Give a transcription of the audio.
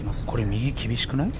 右、厳しくない？